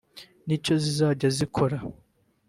nicyo rizajya rikora